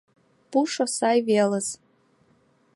— Пушо сай велыс!